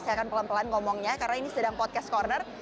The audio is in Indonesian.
saya akan pelan pelan ngomongnya karena ini sedang podcast corner